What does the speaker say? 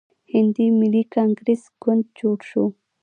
هندي ملي کانګریس ګوند جوړ شو.